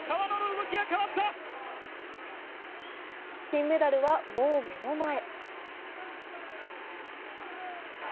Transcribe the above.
金メダルはもう目の前。